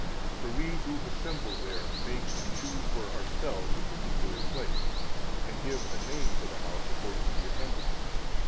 For we who assemble there make and choose for ourselves a particular place, and give a name to the house according to the assembly.